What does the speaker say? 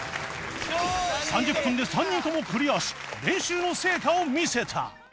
３０分で３人ともクリアし練習の成果を見せた